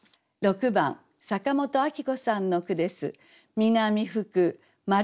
６番坂本昭子さんの句です。